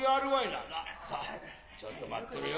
さあちょいと待っとれよ。